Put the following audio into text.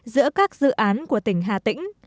giữa các dự án của tỉnh hà tĩnh